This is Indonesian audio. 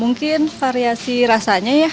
mungkin variasi rasanya ya